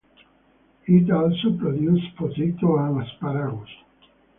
It also produces potato and Asparagus.